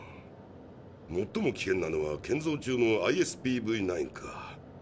もっとも危険なのは建造中のＩＳＰＶ−９か。